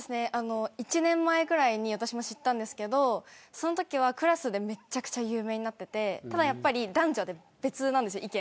１年前ぐらいに私も知ったんですけどそのときはクラスでめちゃくちゃ有名になっていて男女で意見が別なんです。